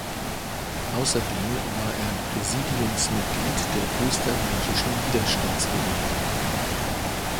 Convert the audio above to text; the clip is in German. Außerdem war er Präsidiumsmitglied der Österreichischen Widerstandsbewegung.